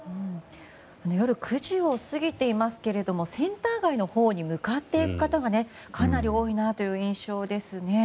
夜９時を過ぎていますけどセンター街のほうに向かっていく方がかなり多いなという印象ですね。